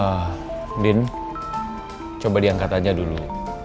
ah ndin coba diangkat aja dulu